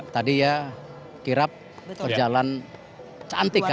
tadi ya kirap perjalanan cantik kan